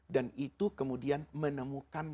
dan itu kemudian menemukan